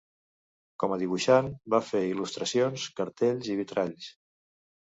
Com a dibuixant, va fer il·lustracions, cartells i vitralls.